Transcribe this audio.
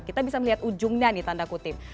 kita bisa melihat ujungnya nih tanda kutip